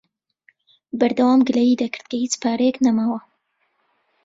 بەردەوام گلەیی دەکرد کە هیچ پارەیەک نەماوە.